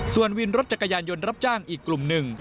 ส่วนวินรถจักรยานยนต์รับจ้างอีกกลุ่มหนึ่ง